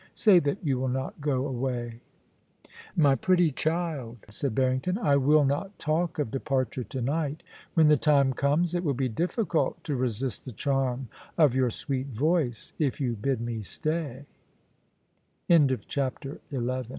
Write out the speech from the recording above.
Say that you will not go away.* * My pretty child,' said Barrington, * I will not talk of de parture to night When the time comes it will be difficult to resist the charm of your sweet voice if y